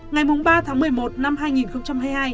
ngày ba tháng một mươi một năm hai nghìn hai mươi hai